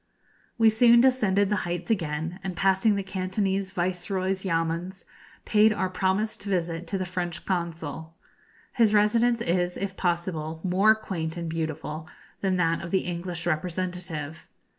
We soon descended the heights again, and, passing the Cantonese Viceroy's yamuns paid our promised visit to the French Consul. His residence is, if possible, more quaint and beautiful than that of the English representative.